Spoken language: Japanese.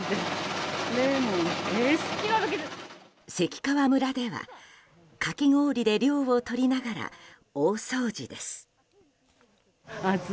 関川村では、かき氷で涼をとりながら大掃除です。